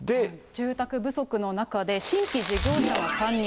住宅不足の中で、新規事業者の参入。